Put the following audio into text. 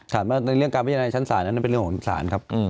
ถัดว่าในเรื่องการอย่างไรชั้นศาลนั้นเป็นเรื่องของนักศาลครับ